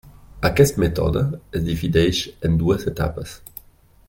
Aquest mètode es divideix en dues etapes.